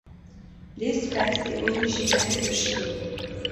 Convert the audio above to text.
L'espèce est originaire de Chine.